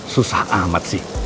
susah amat sih